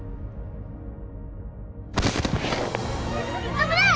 危ない！